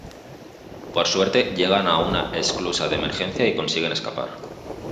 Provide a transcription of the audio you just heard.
Por suerte llegan a una esclusa de emergencia y consiguen escapar.